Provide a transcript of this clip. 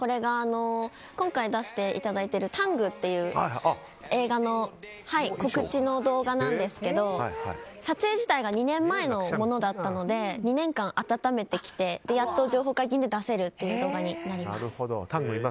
今回出していただいている「ＴＡＮＧタング」っていう映画の告知の動画なんですけど撮影自体が２年前のものだったので２年間、温めてきてやっと情報解禁で出せるという動画になります。